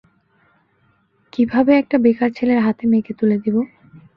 কিভাবে একটা বেকার ছেরে হাতে মেয়েকে তুলে দিব?